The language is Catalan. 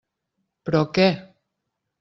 Però, què?